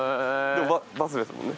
でもバスですもんね。